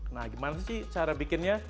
nah gimana sih cara bikinnya